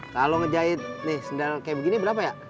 kalau menjahit sendal kayak gini berapa ya